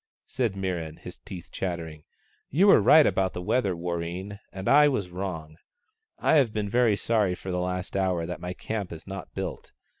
said Mirran, his teeth chattering. " You were right about the weather, Warreen, and I was wrong. I have been very sorry for the last hour that my camp is not built.